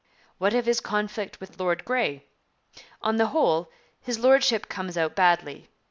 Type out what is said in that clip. What of his conflict with Lord Grey? On the whole, his Lordship comes out badly.